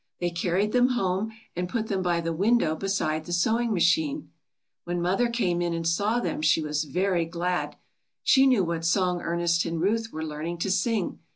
They carried them home and put them by the window beside the sewing machine. When mother came in and saw them she was very glad. She knew what song Ernest and Ruth were learning to sing.